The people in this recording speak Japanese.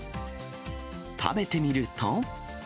食べてみると。